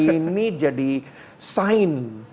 ini jadi sign